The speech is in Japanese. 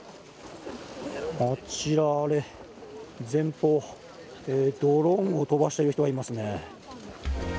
あちら前方ドローンを飛ばしている人がいますね。